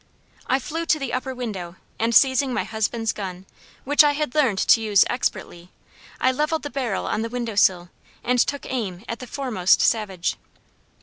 I flew to the upper window and seizing my husband's gun, which I had learned to use expertly, I leveled the barrel on the window sill and took aim at the foremost savage.